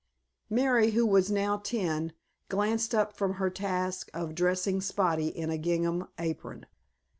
Mary, who was now ten, glanced up from her task of dressing Spotty in a gingham apron.